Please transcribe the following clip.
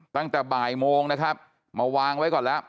ตั้งแต่บ่ายโมงนะครับมาวางไว้ก่อนแล้ว